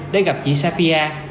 để gặp chị safia